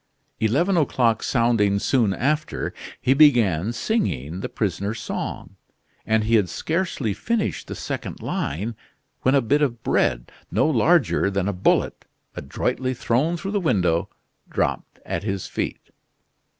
Eleven o'clock sounding soon after, he began singing the prisoner's song, and he had scarcely finished the second line, when a bit of bread, no larger than a bullet, adroitly thrown through the window, dropped at his feet.